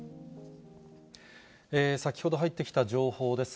先ほど入ってきた情報です。